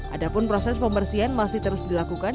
ada pun proses pembersihan masih terus dilakukan